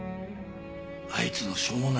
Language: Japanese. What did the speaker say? あいつのしょうもないところ